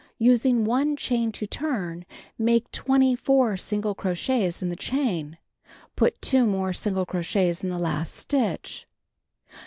Using 1 chain to turn, make 24 single crochets in the chain. Put 2 more single crochets in the last stitch.